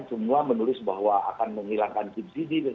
semua menulis bahwa akan menghilangkan subsidi